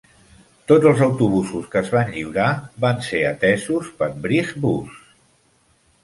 Tots els autobusos que es van lliurar van ser atesos per Wrightbus.